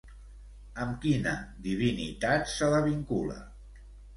Amb quina divinitat se la vincula?